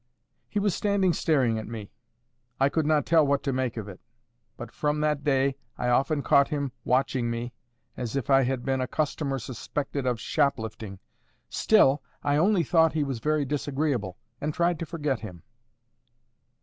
He was standing staring at me. I could not tell what to make of it; but from that day I often caught him watching me, as if I had been a customer suspected of shop lifting. Still I only thought he was very disagreeable, and tried to forget him.